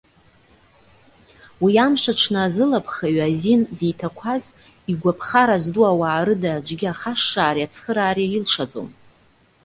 Уи амш аҽны азылыԥхаҩы азин зиҭақәаз, игәаԥхара зду ауаа рыда аӡәгьы ахашшареи ацхыраареи илшаӡом.